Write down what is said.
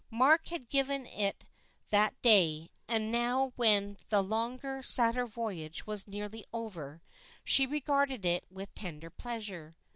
Mark had given it that day, and now when the longer, sadder voyage was nearly over, she regarded it with a tender pleasure.